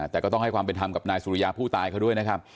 แต่ก็ต้องให้ความเป็นธรรมกับนายสุริยาผู้ตายเขาด้วยนะครับ